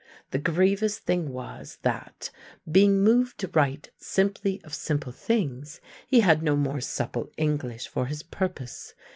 The grievous thing was that, being moved to write simply of simple things, he had no more supple English for his purpose.